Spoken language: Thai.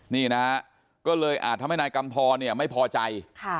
นี่นะฮะก็เลยอาจทำให้นายกำทรเนี่ยไม่พอใจ